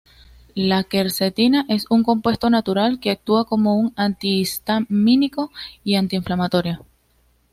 La quercetina es un compuesto natural que actúa como un antihistamínico y antiinflamatorio.